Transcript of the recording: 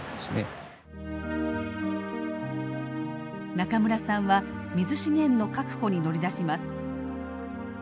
中村さんは水資源の確保に乗り出します。